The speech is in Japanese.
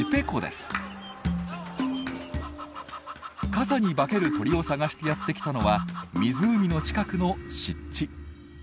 傘に化ける鳥を探してやって来たのは湖の近くの湿地。